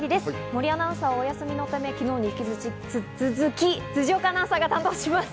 森アナウンサーはお休みため、昨日に引き続き、辻岡アナウンサーが担当します。